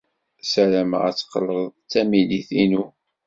Ssarameɣ ad teqqled d tamidit-inu.